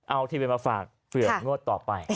เอาทีวีมาฝากเผื่องวดต่อไป